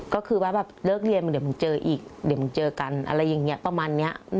ก็คือว่าแบบเลิกเรียนเดี๋ยวมึงเจออีกเดี๋ยวมึงเจอกันอะไรอย่างนี้ประมาณนี้